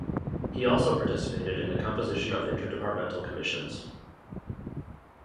He also participated in the composition of interdepartmental commissions.